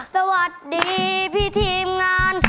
สวัสดีพี่ทีมงาน